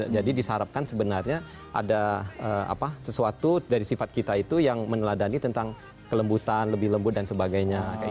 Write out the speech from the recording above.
jadi disarapkan sebenarnya ada sesuatu dari sifat kita itu yang meneladani tentang kelembutan lebih lembut dan sebagainya